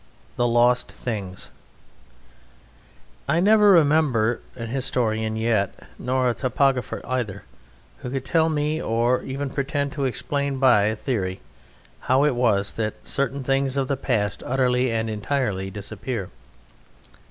The Lost Things I never remember an historian yet, nor a topographer either, who could tell me, or even pretend to explain by a theory, how it was that certain things of the past utterly and entirely disappear.